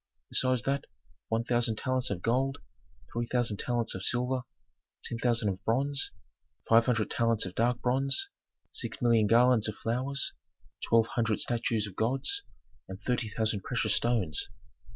Besides that, one thousand talents of gold, three thousand talents of silver, ten thousand of bronze, five hundred talents of dark bronze, six million garlands of flowers, twelve hundred statues of gods, and thirty thousand precious stones.